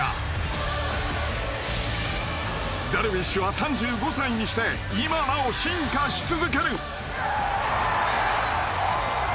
ダルビッシュは３５歳にして今なお進化し続ける。